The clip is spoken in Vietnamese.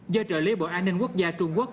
do trợ lý bộ an ninh quốc gia trung quốc